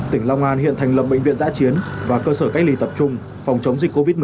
tỉnh long an hiện thành lập bệnh viện giã chiến và cơ sở cách ly tập trung phòng chống dịch covid một mươi chín